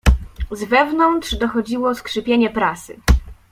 "Z wewnątrz dochodziło skrzypienie prasy."